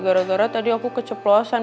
gara gara tadi aku keceplosan